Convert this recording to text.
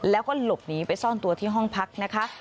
แล้วก็หลบหนีไปซ่อนตัวที่ห้องพักนะคะ